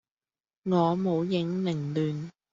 我舞影零亂。